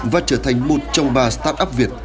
và trở thành một trong ba startup việt